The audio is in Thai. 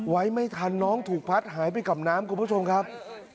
ไว้ไม่ทันน้องถูกพัดหายไปกับน้ำคุณผู้ชมครับ